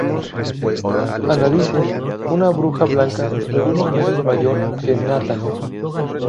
Annalise: Una Bruja Blanca, algunos meses mayor que Nathan.